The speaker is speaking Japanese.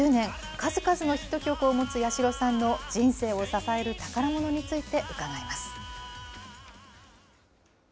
数々のヒット曲を持つ八代さんの人生を支える宝ものについて伺います。